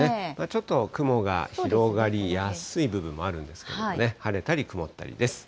ちょっと雲が広がりやすい部分もあるんですけれどもね、晴れたり曇ったりです。